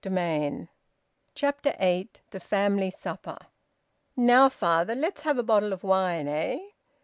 VOLUME TWO, CHAPTER EIGHT. THE FAMILY SUPPER. "Now father, let's have a bottle of wine, eh?"